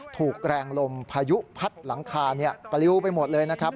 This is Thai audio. ถูกแรงลมพายุพัดหลังคาปลิวไปหมดเลยนะครับ